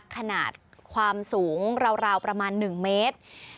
ขนาดความสูงราวประมาณ๑เมตร